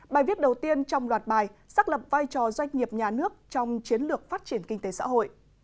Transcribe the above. bài viết đầu tiên trong loạt bài xác lập vai trò doanh nghiệp nhà nước trong chiến lược phát triển kinh tế xã hội